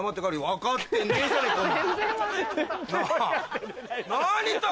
分かってねえじゃねぇかよ。